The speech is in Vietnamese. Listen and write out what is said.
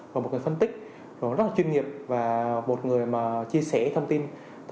và một người phân tích rồi nó rất là chuyên nghiệp và một người mà chia sẻ thông tin